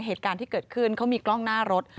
เหตุการณ์ที่เกิดขึ้นเขามีกล้องหน้ารถ